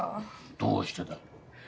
どうしてだ？